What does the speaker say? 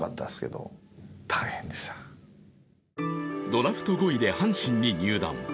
ドラフト５位で阪神に入団。